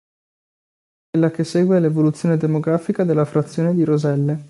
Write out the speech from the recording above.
Quella che segue è l'evoluzione demografica della frazione di Roselle.